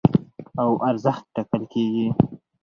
او ارزښت ټاکل کېږي.